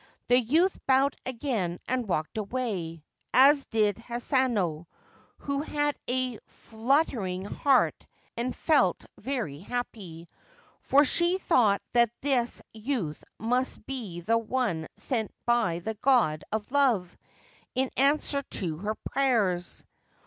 The youth bowed again and walked away ; as did Hanano, who had a fluttering heart and felt very happy, for she thought that this youth must be the one sent by the God of Love in answer to her prayers.